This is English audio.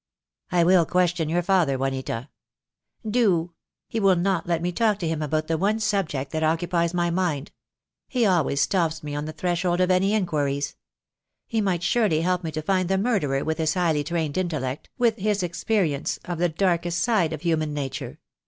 "I will question your father, Juanita." The Day will come. I. ig 290 THE DAY WILL COME. "Do! He will not let me talk to him about the one subject that occupies my mind. He always stops me on the threshold of any inquiries. He might surely help me to find the murderer, with his highly trained intellect, with his experience of the darkest side of human nature.